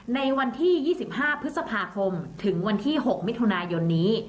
ในวันที่๒๕พฤษภาคมถึงวันที่๖มิถุนายนนี้